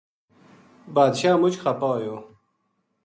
بادشاہ مچ خپا ہویو